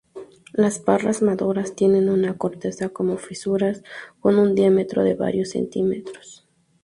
Las parras maduras, tienen una corteza con fisuras con un diámetro de varios centímetros.